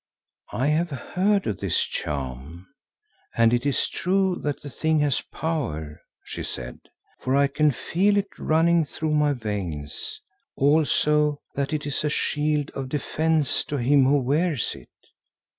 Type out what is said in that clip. "I have heard of this charm and it is true that the thing has power," she said, "for I can feel it running through my veins, also that it is a shield of defence to him who wears it.